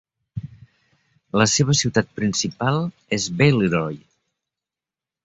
La seva ciutat principal és Balleroy.